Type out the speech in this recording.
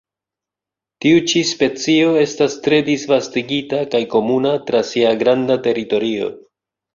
Tiu ĉi specio estas tre disvastigita kaj komuna tra sia granda teritorio.